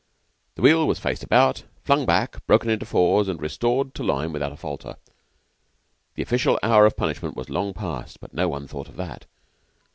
The wheel was faced about, flung back, broken into fours, and restored to line without a falter. The official hour of punishment was long passed, but no one thought of that.